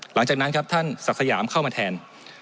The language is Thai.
หลังจากนั้นครับท่านศักดิ์สยามเข้ามาแทน